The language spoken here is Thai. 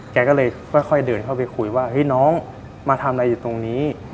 แกก็เลยค่อยเดินเข้าไปคุยว่าเฮ้ยน้องมาทำอะไรอยู่ตรงนี้